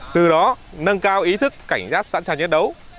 từ đó nâng cao ý thức cảnh giác sẵn sàng chiến đấu